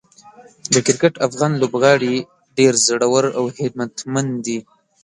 د کرکټ افغان لوبغاړي ډېر زړور او همتمن دي.